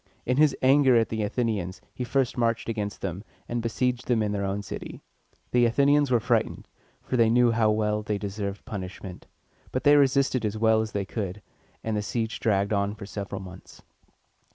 In his anger at the Athenians, he first marched against them, and besieged them in their own city. The Athenians were frightened, for they knew how well they deserved punishment; but they resisted as well as they could, and the siege dragged on for several months.